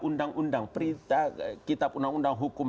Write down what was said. undang undang kitab undang undang hukum